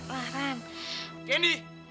kalo bapaknya yang mau busur panti ini